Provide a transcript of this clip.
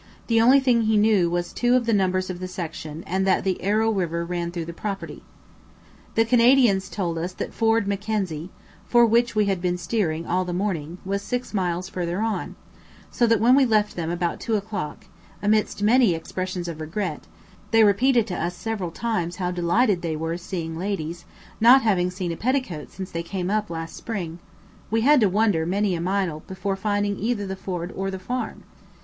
The only thing he knew was two of the numbers of the section and that the Arrow river ran through the property. The Canadians told us that Ford "Mackenzie," for which we had been steering all the morning, was six miles further on; so that when we left them about 2 o'clock (amidst many expressions of regret; they repeated to us several times how delighted they were seeing ladies, not having seen a petticoat since they came up last spring), we had to wander many a mile before finding either the ford or the farm.